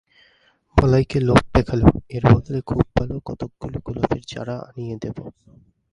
বলাইকে লোভ দেখালুম, এর বদলে খুব ভালো কতকগুলো গোলাপের চারা আনিয়ে দেব।